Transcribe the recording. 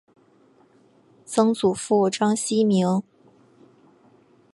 曾祖父章希明。